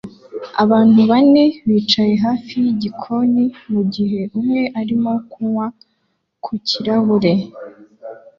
Abantu bane bicaye hafi yigikoni mugihe umwe arimo kunywa ku kirahure